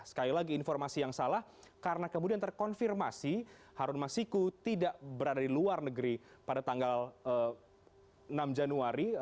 sekali lagi informasi yang salah karena kemudian terkonfirmasi harun masiku tidak berada di luar negeri pada tanggal enam januari